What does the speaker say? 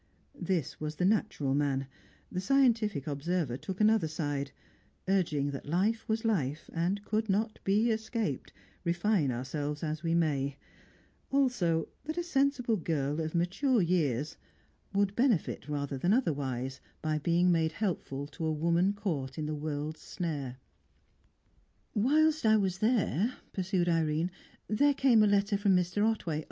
This was the natural man; the scientific observer took another side, urging that life was life and could not be escaped, refine ourselves as we may; also that a sensible girl of mature years would benefit rather than otherwise by being made helpful to a woman caught in the world's snare. "Whilst I was there," pursued Irene, "there came a letter from Mr. Otway.